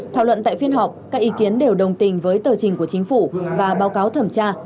thảo luận tại phiên họp các ý kiến đều đồng tình với tờ trình của chính phủ và báo cáo thẩm tra